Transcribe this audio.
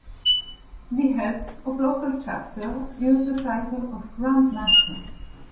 The heads of local chapters use the title of "Grand Master".